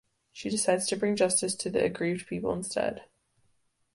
She decides to bring justice to the aggrieved people instead.